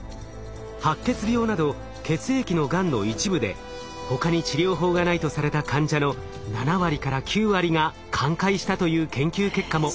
白血病など血液のがんの一部で他に治療法がないとされた患者の７割から９割が寛解したという研究結果も。